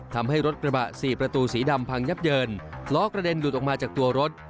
ทำให้รถกระบะสี่ประตูสีดำพังยับเยินล้อกระเด็นหลุดออกมาจากตัวรถ